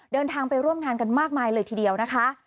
เดินทางไปร่วมงานกันมากมายเลยทีเดียวนะคะ